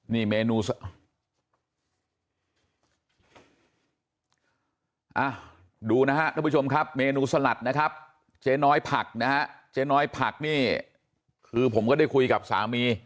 นี่เมนูดูนะฮะทุกผู้ชมครับเมนูสลัดนะครับเจ๊น้อยผักนะฮะเจ๊น้อยผักนี่คือผมก็ได้คุยกับสามี